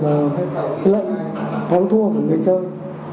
lệnh thắng thu hộ của người chơi